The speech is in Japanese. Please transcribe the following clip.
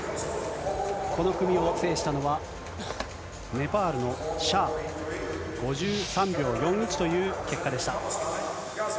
この組を制したのは、ネパールのシャー、５３秒４１という結果でした。